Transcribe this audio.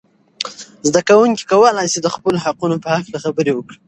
زده کوونکي کولای سي د خپلو حقونو په هکله خبرې وکړي.